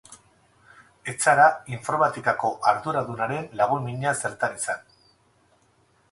Ez zara informatikako arduradunaren lagun mina zertan izan.